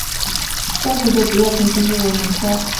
该湖的主要沉积物为芒硝。